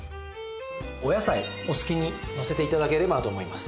お野菜お好きにのせて頂ければと思います。